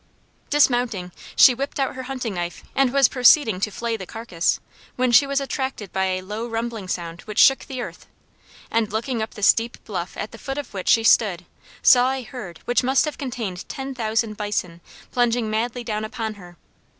Dismounting, she whipped out her hunting knife and was proceeding to flay the carcass, when she was attracted by a low rumbling sound which shook the earth, and looking up the steep bluff at the foot of which she stood, saw a herd which must have contained ten thousand bison, plunging madly down upon her.